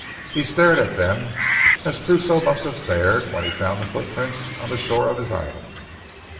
He stared at them as Crusoe must have stared when he found the footprints on the shore of his island.